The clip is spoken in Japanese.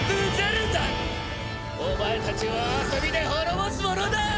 お前たちを遊びで滅ぼす者だ！